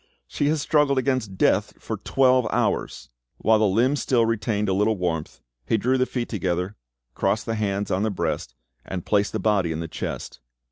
She has struggled against death for twelve hours!" While the limbs still retained a little warmth, he drew the feet together, crossed the hands on the breast, and placed the body in the chest.